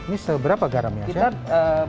ini seberapa garamnya chef